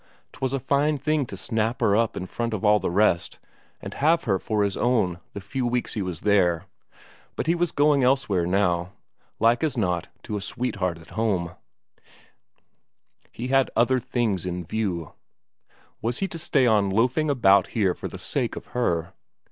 'Twas a fine thing to snap her up in front of all the rest, and have her for his own the few weeks he was there but he was going elsewhere now, like as not to a sweetheart at home he had other things in view. Was he to stay on loafing about here for the sake of her?